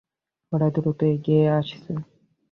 ওরা দ্রুত এগিয়ে আসছে!